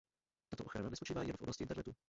Tato ochrana nespočívá jen v oblasti internetu.